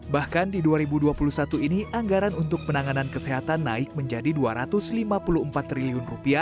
bahkan di dua ribu dua puluh satu ini anggaran untuk penanganan kesehatan naik menjadi rp dua ratus lima puluh empat triliun